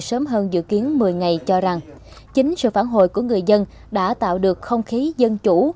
sớm hơn dự kiến một mươi ngày cho rằng chính sự phản hồi của người dân đã tạo được không khí dân chủ